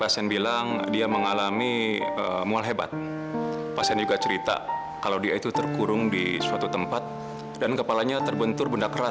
sampai jumpa di video selanjutnya